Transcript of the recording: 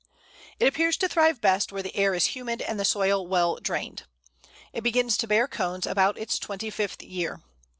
It appears to thrive best where the air is humid and the soil well drained. It begins to bear cones about its twenty fifth year.